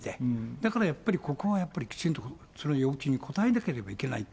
だからやっぱり、ここはやっぱりきちんと、それは要求に応えなければならないと。